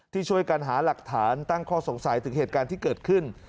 ที่ช่วยกันหาหลักฐานตั้งข้อสงสัยถึงเหตุการณ์ที่เกิดขึ้น